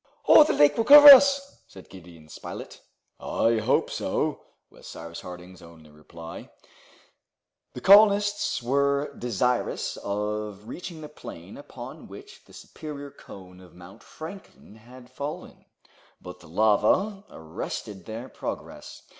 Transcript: "The lake will cover us," said Gideon Spilett. "I hope so!" was Cyrus Harding's only reply. The colonists were desirous of reaching the plain upon which the superior cone of Mount Franklin had fallen, but the lava arrested their progress.